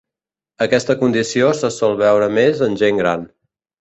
Aquesta condició se sol veure més en gent gran.